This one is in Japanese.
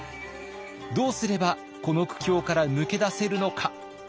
どうすればこの苦境から抜け出せるのか。